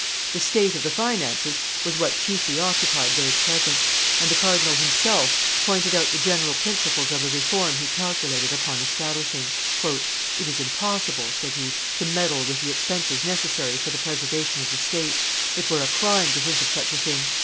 The state of the finances was what chiefly occupied those present; and the cardinal himself pointed out the general principles of the reform he calculated upon establishing. "It is impossible," he said, "to meddle with the expenses necessary for the preservation of the state; it were a crime to think of such a thing.